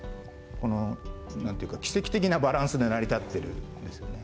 なんていうか奇跡的なバランスで成り立っているんですよね。